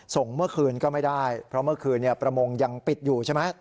ส่งเมื่อคืนก็ไม่ได้เพราะเมื่อคืนประมงยังปิดอยู่ใช่ไหม